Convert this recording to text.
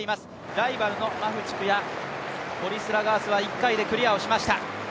ライバルのマフチクやオリスラガースは１回でクリアしました。